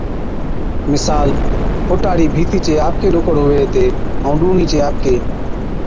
مثال، فُٽا هاڙِي ڀِيتي چي آپڪي ڏوڪڙ هُوي هِتي ائُون ڏُوڻِي چي آپڪي،